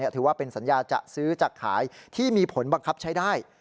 ถือว่าเป็นสัญญาจะซื้อจะขายที่มีผลบังคับใช้ได้